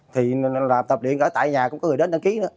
thì tập luyện ở tại nhà cũng có người đến đăng ký nữa